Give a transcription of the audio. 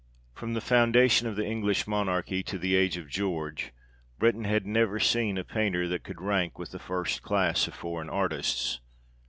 From the foundation of the English monarchy to the age of George, Britain had never seen a painter that could rank with the first class of foreign artists.